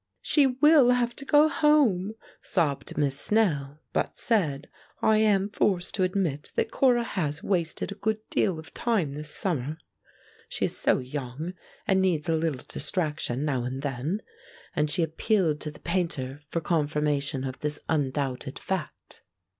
"She will have to go home," sobbed Miss Snell, but said: "I am forced to admit that Cora has wasted a good deal of time this summer. She is so young, and needs a little distraction, now and then," and she appealed to the Painter for confirmation of this undoubted fact.